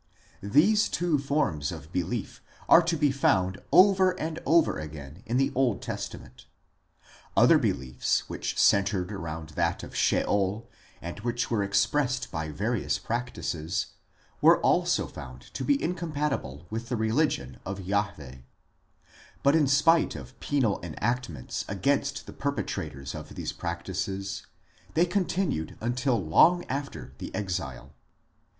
These two forms of belief are to be found over and over again in the Old Testament. Other beliefs which centred around that of Sheol, and which were expressed by various practices, were also found to be in compatible with the religion of Jahwe ; but in spite of penal enactments against the perpetrators of these practices, they continued until long after the Exile.